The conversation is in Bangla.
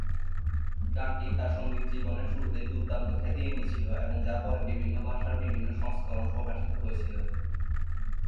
গানটি তার সঙ্গীত জীবনের শুরুতেই দুর্দান্ত খ্যাতি এনেছিল এবং যা পরে বিভিন্ন ভাষার বিভিন্ন সংস্করণ প্রকাশিত হয়েছে।